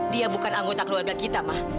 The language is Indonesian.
dia bukan anggota keluarga kita mah